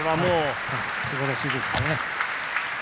すばらしいですね。